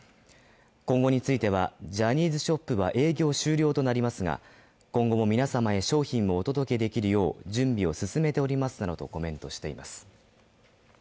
今後については、ジャニーズショップは営業終了となりますが今後も皆様へ商品をお届けできるよう準備を進めておりますなどとコメントしています。